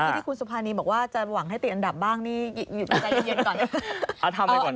ที่ที่คุณสุภานีบอกว่าจะหวังให้ติดอันดับบ้างนี่หยุดใจเย็นก่อน